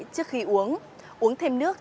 trước khi uống uống thêm nước